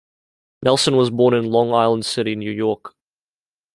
Nelson was born in Long Island City, New York.